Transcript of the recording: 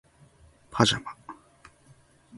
パジャマ